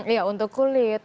iya untuk kulit